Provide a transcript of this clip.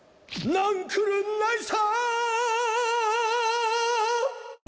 なんくるないさ！